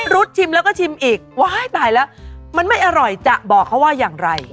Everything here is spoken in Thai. รุดชิมแล้วก็ชิมอีกว้ายตายแล้วมันไม่อร่อยจะบอกเขาว่าอย่างไร